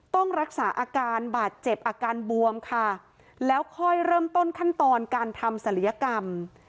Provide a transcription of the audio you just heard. ต้องรักษาอาการบาดเจ็บอาการบวมค่ะแล้วค่อยเริ่มต้นขั้นตอนการทำศัลยกรรม